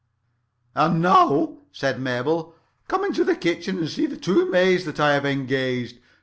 "And now," said Mabel, "come into the kitchen and see the two maids that I have engaged.